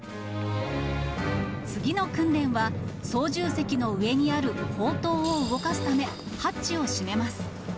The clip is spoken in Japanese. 次の訓練は、操縦席の上にある砲塔を動かすため、ハッチを閉めます。